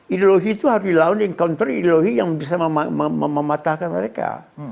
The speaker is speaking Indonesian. ideologi itu harus dilawan dengan counter ideologi yang bisa mematahkan mereka